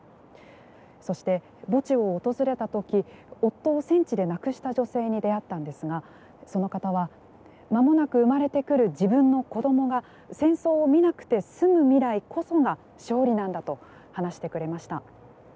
そして墓地を訪れたとき夫を戦地で亡くした女性に出会ったんですがその方はまもなく生まれてくる自分の子どもが戦争を見なくて済む未来こそが勝利なんだと話してくれました。